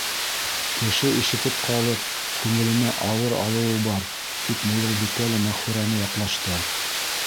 Кеше ишетеп ҡалып күңеленә ауыр алыуы бар, — тип Муйылбикә лә Мәғфүрәне яҡлашты.